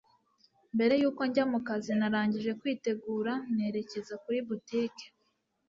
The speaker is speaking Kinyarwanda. mbere yuko njya mukazi Narangije kwitegura nerekeza kuri boutique